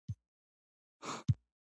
لومړی د سون توکو اقتصادي لګښت دی.